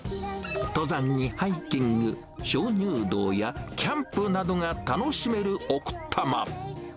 登山にハイキング、鍾乳洞やキャンプなどが楽しめる奥多摩。